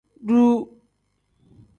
Duu.